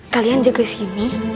kalian jaga sini